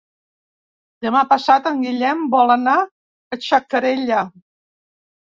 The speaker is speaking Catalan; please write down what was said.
Demà passat en Guillem vol anar a Xacarella.